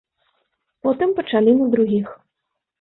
Потым пачалі на другіх.